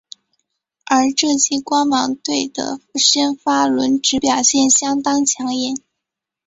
而这季光芒队的先发轮值表现相当抢眼。